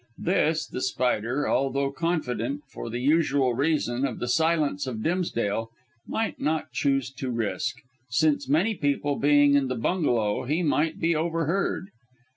This, The Spider, although confident, for the usual reason, of the silence of Dimsdale, might not choose to risk, since many people being in the bungalow, he might be overheard.